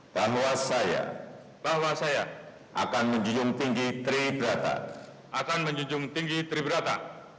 bahwa saya akan menjunjung tinggi triberata